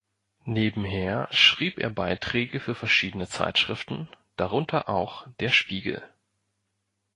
Nebenher schrieb er Beiträge für verschiedene Zeitschriften, darunter auch "Der Spiegel".